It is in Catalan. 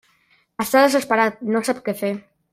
Està desesperat, no sap què fer.